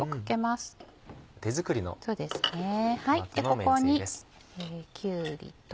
ここにきゅうりと。